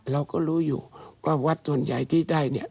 เราก็รู้อยู่ว่าวัดส่วนใหญ่ที่ได้เนี่ย